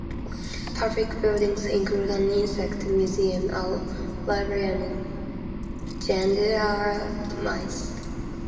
Public buildings include an insect museum, a library and gendarmerie.